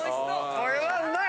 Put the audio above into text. これはうまい！